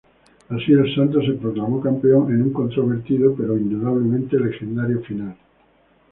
Así, el Santos se proclamó campeón en una controvertida pero indudablemente legendaria final.